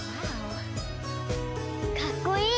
かっこいい！